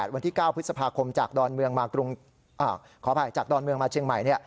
วันที่๙พฤษภาคมจากดอนเมืองมาเชียงใหม่